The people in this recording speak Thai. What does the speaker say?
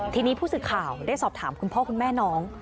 ทีนี้ผู้สื่อข่าวได้สอบถามคุณพ่อคุณแม่น้อง